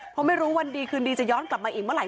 เพราะไม่รู้วันดีคืนดีจะย้อนกลับมาอีกเมื่อไห